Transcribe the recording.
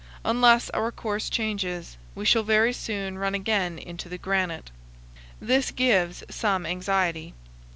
Unless our course changes we shall very soon run again into the granite. This gives some anxiety.